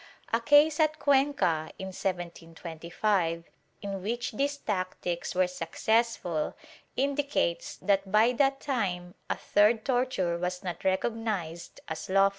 ^ A case at Cuenca, in 1725, in which these tactics were successful, indicates that by that time a third torture was not recognized as lawful.